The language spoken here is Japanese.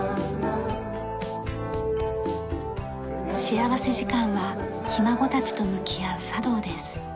幸福時間はひ孫たちと向き合う茶道です。